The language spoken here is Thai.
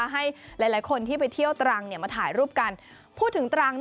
ให้หลายคนที่ไปเที่ยวตรังมาถ่ายรูปกันพูดถึงตรัง